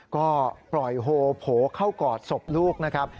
ก็ปล่อยโฮโผล่เข้ากอดศพลูกนะครับ